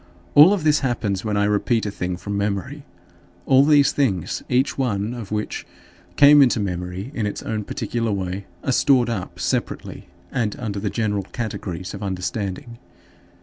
All of this happens when I repeat a thing from memory. 13. All these things, each one of which came into memory in its own particular way, are stored up separately and under the general categories of understanding.